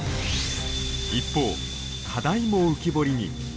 一方、課題も浮き彫りに。